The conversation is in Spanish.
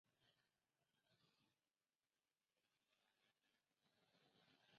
Sucedió a su hermano Al-Wáthiq.